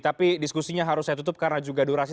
tapi diskusinya harus saya tutup karena juga durasi